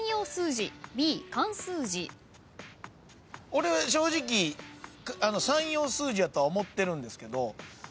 俺正直算用数字やとは思ってるんですけど。